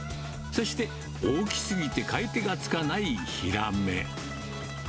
そして大きすぎて買い手がつかないヒラメ。